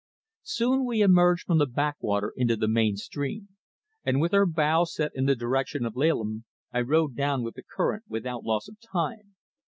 Soon we emerged from the backwater into the main stream, and with our bow set in the direction of Laleham I rowed down with the current without loss of time.